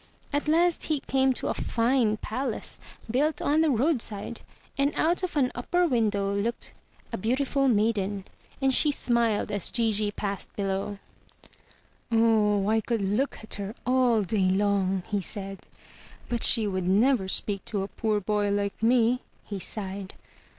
At last he came to a fine palace built on the roadside; and out of an upper window looked a beautiful maiden, and she smiled as Gigi passed below. 339 MY BOOK HOUSE "Oh, I could look at her all day long!*' he said. "But she would never speak to a poor boy like me," he sighed.